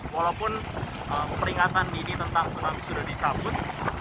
walaupun peringatan ini tentang tsunami sudah dicaput